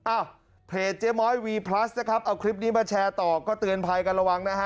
อ้าวเพจเจ๊ม้อยวีพลัสนะครับเอาคลิปนี้มาแชร์ต่อก็เตือนภัยกันระวังนะฮะ